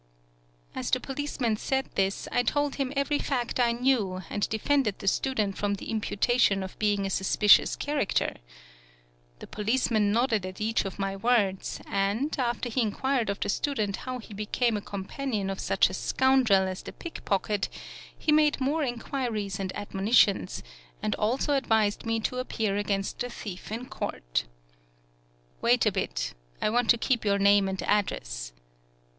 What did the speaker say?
As the policeman said this, I told him every fact I knew, and defended the student from the imputation of being a suspicious character. The policeman nodded at each of my words and, after he inquired of the student how he be came a companion of such a scoundrel as the pickpocket, he made more inquir ies and admonitions, and also advised me to appear against the thief in court. 163 PAULOWNIA "Wait a bit. I want to keep your name and address."